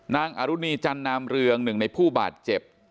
อรุณีจันนามเรืองหนึ่งในผู้บาดเจ็บ